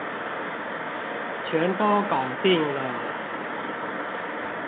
全都搞定了